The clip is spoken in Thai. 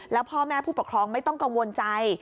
แล้วพ่อแม่ผู้ปกครองไม่ต้องกังวลใจ